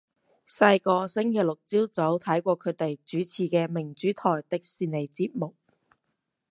細個星期六朝早睇過佢哋主持嘅明珠台迪士尼節目